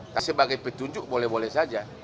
tapi sebagai petunjuk boleh boleh saja